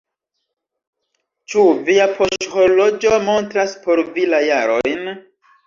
"Ĉu via poŝhorloĝo montras por vi la jarojn?"